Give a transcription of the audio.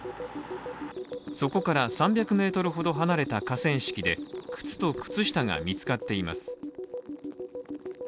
そこから３００ｍほど離れた河川敷で靴と靴下が見つかっています。